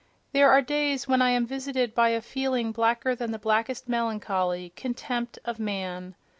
There are days when I am visited by a feeling blacker than the blackest melancholy—contempt of man.